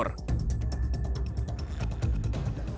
irjen menangani kasus pidananya